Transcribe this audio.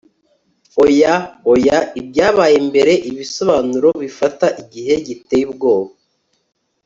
oya, oya! ibyabaye mbere, ibisobanuro bifata igihe giteye ubwoba